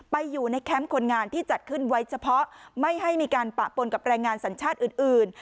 ไปอยู่ในแคมป์คนงานที่จัดขึ้นไว้เฉพาะไม่ให้มีการปะปนกับแรงงานสัญชาติอื่น